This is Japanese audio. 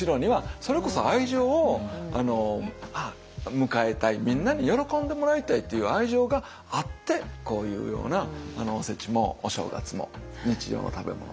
それこそ愛情を迎えたいみんなに喜んでもらいたいっていう愛情があってこういうようなおせちもお正月も日常の食べ物もあるんだと思いますよ。